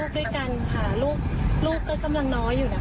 เพิ่งจะได้สองผลวงเอง